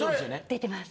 出てます。